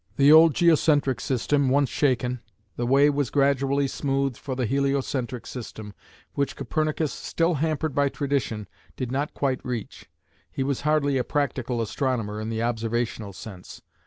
The old geocentric system once shaken, the way was gradually smoothed for the heliocentric system, which Copernicus, still hampered by tradition, did not quite reach. He was hardly a practical astronomer in the observational sense.